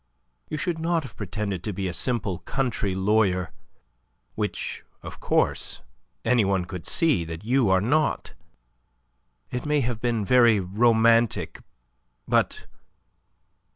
You should not have pretended to be a simple country lawyer, which, of course, any one could see that you are not. It may have been very romantic, but...